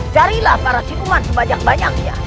carilah para siluman sebajak banyaknya